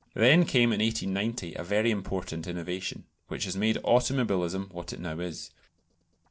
Then came in 1890 a very important innovation, which has made automobilism what it now is.